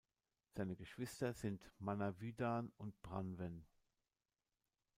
Seine Geschwister sind Manawydan und Branwen.